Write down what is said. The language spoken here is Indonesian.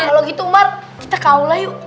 kalau gitu umar kita kaulah yuk